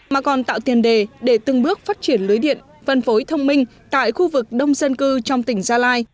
mà còn tạo tiền đề để từng bước phát triển lưới điện phân phối thông minh tại khu vực đông dân cư trong tỉnh gia lai